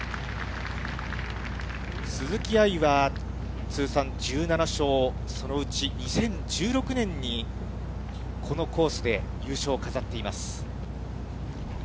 鈴木愛は通算１７勝、そのうち２０１６年に、このコースで優勝を飾っています。